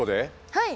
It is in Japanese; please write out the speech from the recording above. はい！